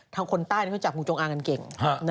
ทั้งคนใต้ก็จับงูจงอางกันเก่ง